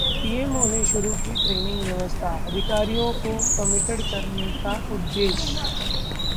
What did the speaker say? PMO ने शुरू की ट्रेनिंग व्यवस्था, अधिकारियों को कमिटेड करने का उद्देश्य